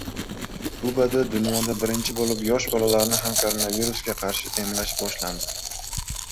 Kubada dunyoda birinchi bo‘lib yosh bolalarni ham koronavirusga qarshi emlash boshlandi